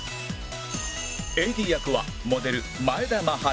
ＡＤ 役はモデル前田まはる